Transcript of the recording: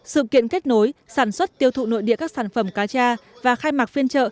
sự kiện kết nối sản xuất tiêu thụ nội địa các sản phẩm cá cha và khai mạc phiên trợ